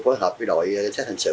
phối hợp với đội xác hành sự